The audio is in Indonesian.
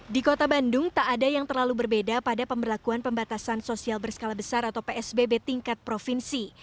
di kota bandung tak ada yang terlalu berbeda pada pemberlakuan pembatasan sosial berskala besar atau psbb tingkat provinsi